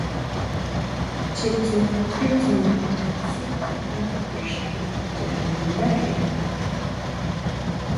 Chitsú titsuma sikáka ixti ya jín ndáje.